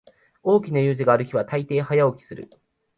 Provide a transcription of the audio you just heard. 大きな用事がある日はたいてい早起きする